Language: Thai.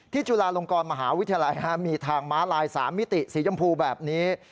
จุฬาลงกรมหาวิทยาลัยมีทางม้าลาย๓มิติสีชมพูแบบนี้